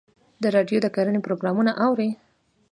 د راډیو د کرنې پروګرامونه اورئ؟